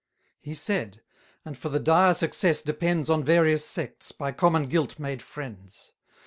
He said, and for the dire success depends On various sects, by common guilt made friends.